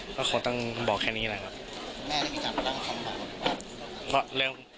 ก็คงต้องบอกแค่นี้แหละครับ